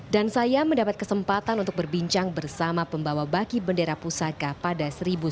dan saya mendapat kesempatan untuk berbincang bersama pembawa baki bendera pusaka pada seribu sembilan ratus lima puluh lima